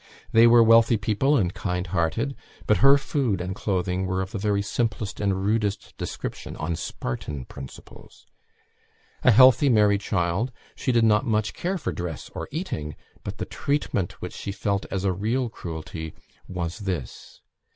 They were wealthy people and kind hearted, but her food and clothing were of the very simplest and rudest description, on Spartan principles. A healthy, merry child, she did not much care for dress or eating; but the treatment which she felt as a real cruelty was this.